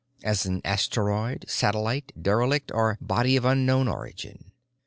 As an asteroid, satellite, derelict or "body of unknown origin."